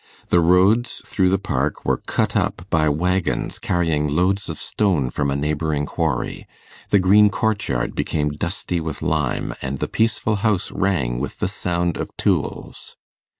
The roads through the park were cut up by waggons carrying loads of stone from a neighbouring quarry, the green courtyard became dusty with lime, and the peaceful house rang with the sound of tools.